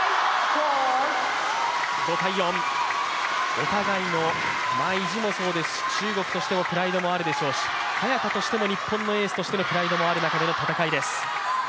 お互いの意地もそうですし、中国としてのプライドもあるでしょうし、早田としても日本のエースとしてのプライドもある中での戦いです。